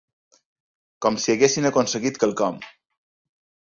Com si haguessin aconseguit quelcom.